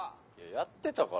「やってたから」。